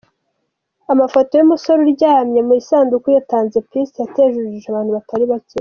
Amafoto y’umusore uryamye mu isanduku yatanze Peace yateje urujijo abantu batari bake.